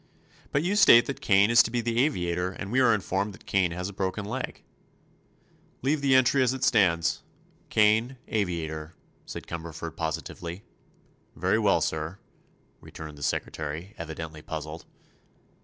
"But you state that Kane is to be the aviator, and we are informed that Kane has a broken leg." "Leave the entry as it stands: 'Kane, Aviator,'" said Cumberford, positively. "Very well, sir," returned the secretary, evidently puzzled.